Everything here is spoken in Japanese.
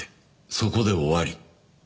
そこで終わり。